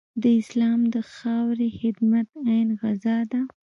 د اسلام د خاورې خدمت عین غزا ده.